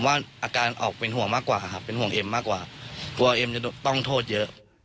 ว่าอาการออกเป็นห่วงมากกว่าครับเป็นห่วงเอ็มมากกว่ากลัวเอ็มจะต้องโทษเยอะ